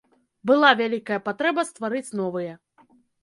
Была вялікая патрэба стварыць новыя.